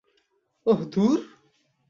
ওহ, ধুর।